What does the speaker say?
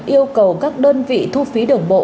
yêu cầu các đơn vị thu phí đồng bộ